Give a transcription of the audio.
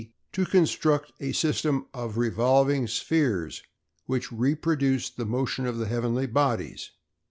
to construct a system of revolving spheres which reproduced the motion of the heavenly bodies.